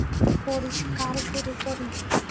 পরিস্কার শুরু করি?